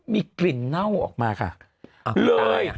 มีกลิ่นเน่าออกมาค่ะเลย